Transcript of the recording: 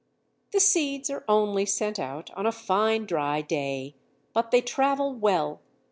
The seeds are only sent out on a fine dry day; but they travel well.